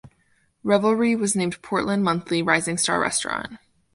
Revelry was named "Portland Monthly" "rising star restaurant".